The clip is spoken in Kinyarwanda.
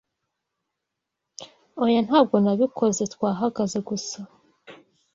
Oya ntabwo nabikoze twahagaze gusa